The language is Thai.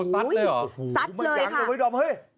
สัดเลยหรอสัดเลยค่ะ